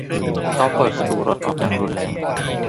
เขาเปิดประตูรถออกอย่างรุนแรง